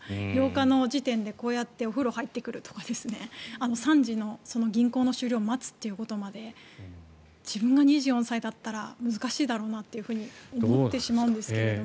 ８日の時点でこうやってお風呂入ってくるとか３時の銀行の終了を待つということまで自分が２４歳だったら難しいだろうなと思ってしまうんですけど